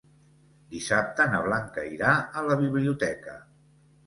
Dissabte na Blanca irà a la biblioteca.